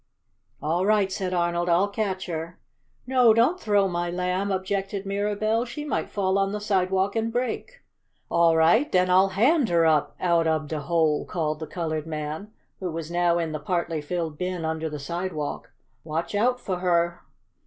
"All right!" said Arnold. "I'll catch her!" "No, don't throw my Lamb!" objected Mirabell. "She might fall on the sidewalk and break." "All right den I'll HAND her up out ob de hole," called the colored man, who was now in the partly filled bin under the sidewalk. "Watch out fo' her!"